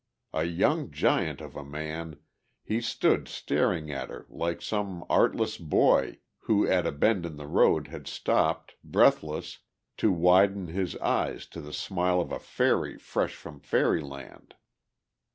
A young giant of a man, he stood staring at her like some artless boy who at a bend in the road had stopped, breathless, to widen his eyes to the smile of a fairy fresh from fairy land.